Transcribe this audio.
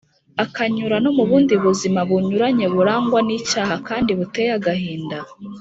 akanyura no mu bundi buzima bunyuranye burangwa n’icyaha kandi buteye agahinda.